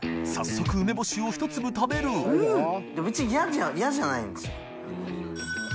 秡畭梅干しを１粒食べる覆燭筺別に嫌じゃないんですよ。